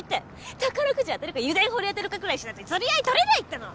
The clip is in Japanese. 宝くじ当たるか油田掘り当てるかくらいしないと釣り合い取れないっての！